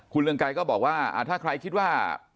คุณเรืองไกรก็บอกว่าถ้าใครคิดว่า